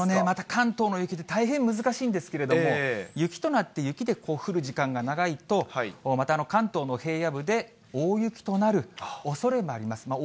また関東の雪って大変難しいんですけれども、雪となって雪で降る時間が長いと、また関東の平野部で大雪となるおそれもあります。